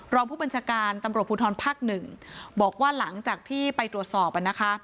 รองผู้บัญชาการตำรวจภูทรภาคหนึ่งบอกว่าหลังจากที่ไปตรวจสอบอ่ะนะคะ